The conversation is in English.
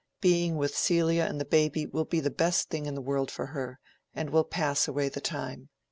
Being with Celia and the baby will be the best thing in the world for her, and will pass away the time.